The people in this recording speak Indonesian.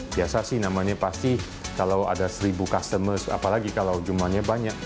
biasa sih namanya pasti kalau ada seribu customer apalagi kalau jumlahnya banyak